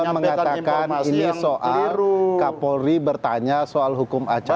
bahwa pak masinton mengatakan ini soal kapolri bertanya soal hukum acara